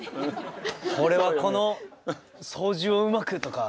俺はこの操縦をうまく！とか。